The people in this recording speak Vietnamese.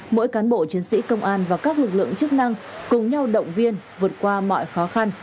mỗi cán bộ chiến sĩ công an và các lực lượng chức năng cùng nhau động viên vượt qua mọi khó khăn